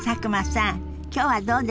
今日はどうでした？